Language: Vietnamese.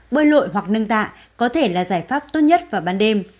bơi lội hoặc nâng tạ có thể là giải pháp tốt nhất vào ban đêm